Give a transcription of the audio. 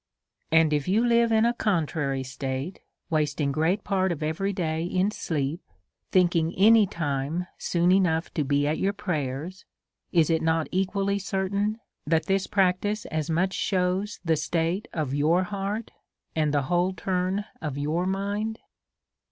And if you live in a contrary state, wasting great part of every day in sleep, thinking any time soon enough to be at your prayers, is it not equally certain that this practice as much shews the state of your heart, and the whole turn of your mind?